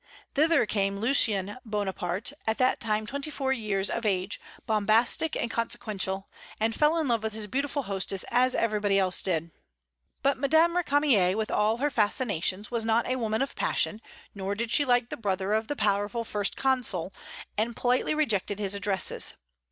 Thither came Lucien Bonaparte, at that time twenty four years of age, bombastic and consequential, and fell in love with his beautiful hostess, as everybody else did. But Madame Récamier, with all her fascinations, was not a woman of passion; nor did she like the brother of the powerful First Consul, and politely rejected his addresses.